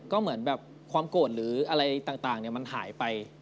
ก็เหมือนแบบความโกรธหรืออะไรต่างมันหายไป